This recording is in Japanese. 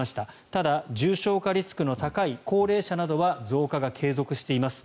ただ、重症化リスクの高い高齢者などは増加が継続しています。